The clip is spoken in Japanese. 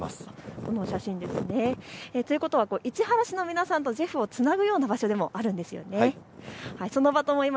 この写真ですね。ということは市原市の皆さんとジェフをつなぐような場所でもあるんですよね。